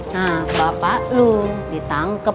nah bapak lu ditangkep